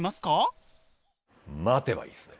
待てばいいですね。